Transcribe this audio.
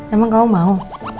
emang kamu mau